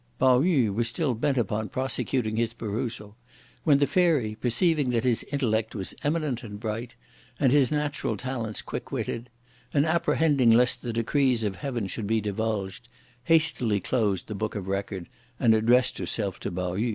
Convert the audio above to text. Pao yü was still bent upon prosecuting his perusal, when the Fairy perceiving that his intellect was eminent and bright, and his natural talents quickwitted, and apprehending lest the decrees of heaven should be divulged, hastily closed the Book of Record, and addressed herself to Pao yü.